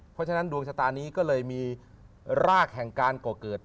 เพราะฉะนั้นดวงชะตานี้ก็เลยมีรากแห่งการก่อเกิด